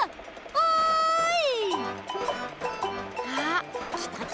おい！